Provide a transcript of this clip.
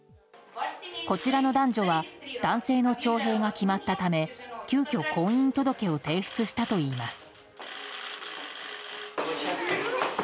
こちらの男女は男性の徴兵が決まったため急きょ婚姻届を提出したといいます。